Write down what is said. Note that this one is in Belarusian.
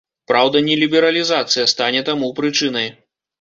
Праўда, не лібералізацыя стане таму прычынай.